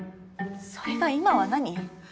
それが今は何？